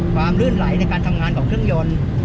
ลื่นไหลในการทำงานของเครื่องยนต์